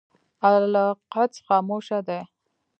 القدس خاموشه دی.